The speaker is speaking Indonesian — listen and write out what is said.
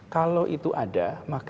kalau itu ada